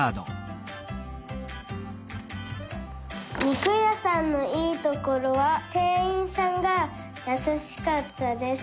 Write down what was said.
にくやさんのいいところはてんいんさんがやさしかったです。